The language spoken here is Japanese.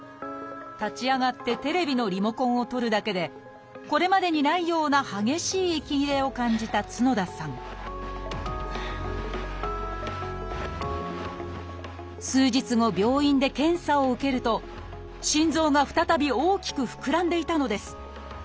立ち上がってテレビのリモコンを取るだけでこれまでにないような激しい息切れを感じた角田さん数日後病院で検査を受けると心臓が再び大きく膨らんでいたのです。